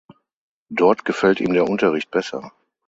Dort gefällt ihm der Unterricht besser.